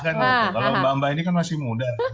kalau mbak mbak ini kan masih muda